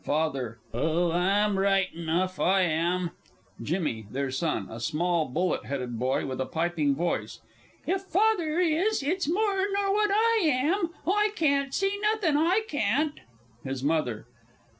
FATHER. Oh, I'm right enough, I am. JIMMY (their Son; a small, bullet headed boy, with a piping voice). If Father is, it's more nor what I am. I can't see nothen, I can't! HIS MOTHER.